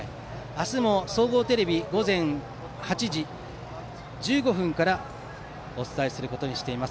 明日も総合テレビでは午前８時１５分からお伝えすることにしています。